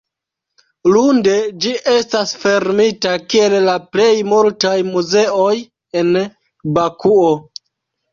Lunde ĝi estas fermita kiel la plej multaj muzeoj en Bakuo.